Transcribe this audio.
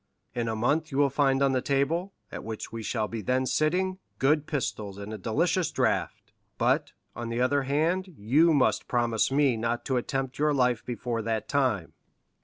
"In a month you will find on the table, at which we shall be then sitting, good pistols and a delicious draught; but, on the other hand, you must promise me not to attempt your life before that time."